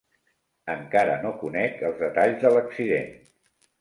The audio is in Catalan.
Encara no conec els detalls de l'accident.